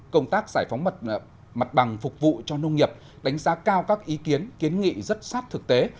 công tác giải phóng mặt bằng phục vụ cho nông nghiệp đánh giá cao các ý kiến kiến nghị rất sát thực tế